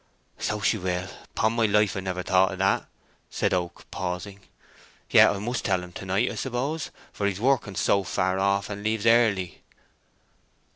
"So she will, upon my life; I never thought of that," said Oak, pausing. "Yet I must tell him to night, I suppose, for he's working so far off, and leaves early."